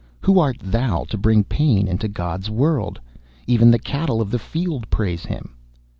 Who art thou to bring pain into God's world? Even the cattle of the field praise Him.